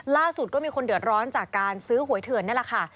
ล่าสุดก็มีคนเดือดร้อนจากการซื้อหวยเถื่อนนี่แหละค่ะ